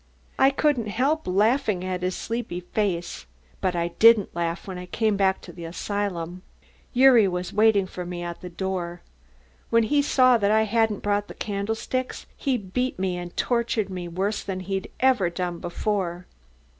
I couldn't help laughing at his sleepy face. But I didn't laugh when I came back to the asylum. Gyuri was waiting for me at the door. When he saw that I hadn't brought the candlesticks he beat me and tortured me worse than he'd ever done before."